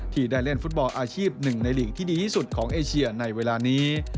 ที่ได้เล่นฟุตบอลอาชีพหนึ่งในหลีกที่ดีที่สุดของเอเชียในเวลานี้